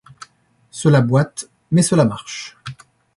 Cela boite, mais cela marche.